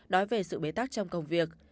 nói về sự bế tắc trong công việc